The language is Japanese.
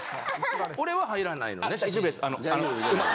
俺は入らないのね写真。